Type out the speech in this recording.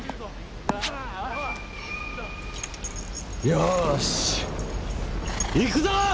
よし行くぞ！